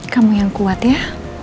kamu yang kuat ya